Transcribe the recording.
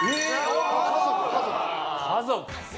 「家族」。